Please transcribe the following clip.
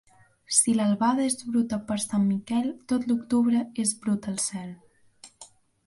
Si l'albada és bruta per Sant Miquel, tot l'octubre és brut el cel.